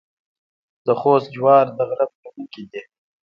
د خوست جوار د غره په لمن کې دي.